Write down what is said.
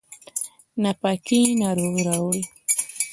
ناپاکي ناروغي راوړي